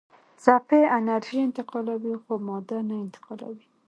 څپې انرژي انتقالوي خو ماده نه انتقالوي.